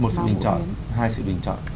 một sự bình chọn hai sự bình chọn